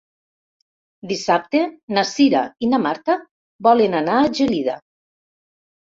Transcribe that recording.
Dissabte na Cira i na Marta volen anar a Gelida.